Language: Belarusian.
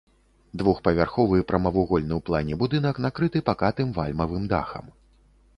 Двухпавярховы прамавугольны ў плане будынак накрыты пакатым вальмавым дахам.